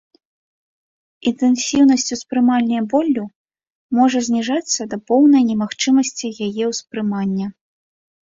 Інтэнсіўнасць успрымання болю можа зніжацца да поўнай немагчымасці яе ўспрымання.